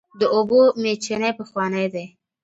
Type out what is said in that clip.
د اوبو میچنې پخوانۍ دي.